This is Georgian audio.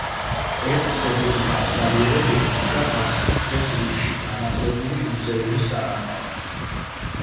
ექვსზე მეტი დამთვალიერებელი იდგა გახსნის დღეს რიგში განახლებული მუზეუმის სანახავად.